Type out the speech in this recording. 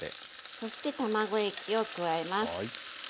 そして卵液を加えます。